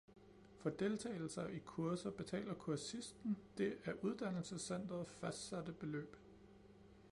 For deltagelse i kurser betaler kursisten det af uddannelsescentret fastsatte beløb